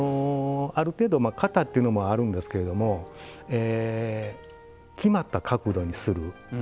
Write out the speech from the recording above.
ある程度型っていうのもあるんですけど決まった角度にする。